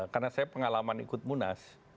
karena saya pengalaman ikut munas